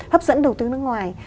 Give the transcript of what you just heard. hấp dẫn đầu tư nước ngoài